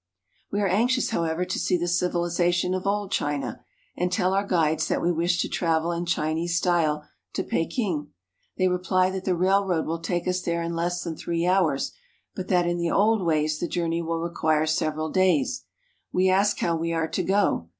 We are anxious, however, to see the civilization of old China, and tell our guides that we wish to travel in Chinese style to Peking. They reply that the railroad will take us there in less than three hours, but that in the old ways the journey will require several days. We ask how we are to go.